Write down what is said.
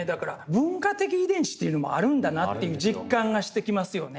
文化的遺伝子というのもあるんだなっていう実感がしてきますよね。